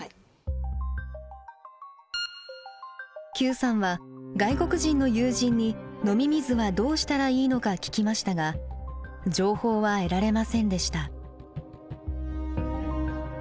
邱さんは外国人の友人に飲み水はどうしたらいいのか聞きましたが情報は得られませんでした。